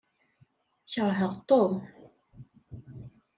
Keṛheɣ Tom.